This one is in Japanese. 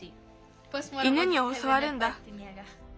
犬におそわるんだ。